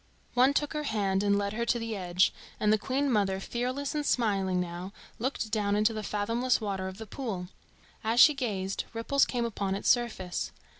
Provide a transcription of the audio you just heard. ] One took her hand and led her to the edge, and the Queen mother, fearless and smiling now, looked down into the fathomless water of the pool. As she gazed, ripples came upon its surface.